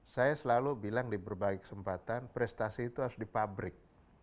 saya selalu bilang di berbagai kesempatan prestasi itu harus di pabrik